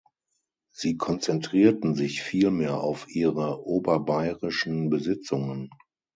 Sie konzentrierten sich vielmehr auf ihre oberbayerischen Besitzungen.